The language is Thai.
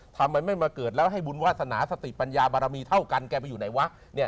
ทำไมไม่มาเกิดแล้วให้บุญวาสนาสติปัญญาบารมีเท่ากันแกไปอยู่ไหนวะ